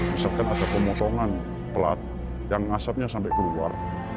misalkan ada pemotongan pelat yang asapnya sampai keluar